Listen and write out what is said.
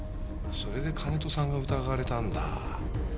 それで金戸さんが疑われたんだ。